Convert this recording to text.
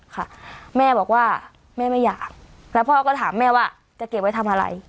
ค่ะแม่บอกว่าแม่ไม่อยากแล้วพ่อก็ถามแม่ว่าจะเก็บไว้ทำอะไร